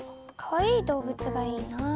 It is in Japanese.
かわいい動物がいいな。